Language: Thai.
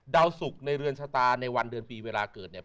สุขในเรือนชะตาในวันเดือนปีเวลาเกิดเนี่ย